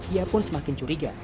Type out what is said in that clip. ia pun semakin curiga